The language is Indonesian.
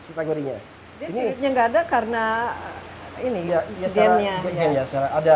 dia siripnya enggak ada karena gennya